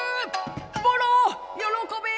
ボロ喜べ！